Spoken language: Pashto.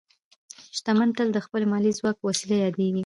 شتمن تل د خپل مالي ځواک په وسیله یادېږي.